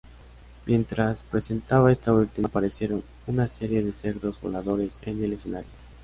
Mientras presentaba esta última, aparecieron una serie de cerdos voladores en el escenario.